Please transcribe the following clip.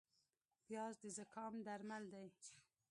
پیاز د زکام درمل دی